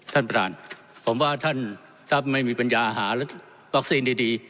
ท่านประธานผมว่าท่านถ้าไม่มีปัญญาหาวัคซีนดี